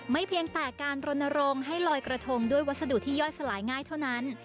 เพียงแต่การรณรงค์ให้ลอยกระทงด้วยวัสดุที่ย่อยสลายง่ายเท่านั้น